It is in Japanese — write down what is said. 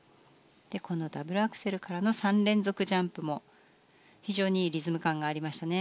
このダブルアクセルからの３連続ジャンプも非常にリズム感がありましたね。